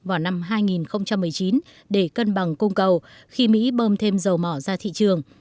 vào năm hai nghìn một mươi chín để cân bằng cung cầu khi mỹ bơm thêm dầu mỏ ra thị trường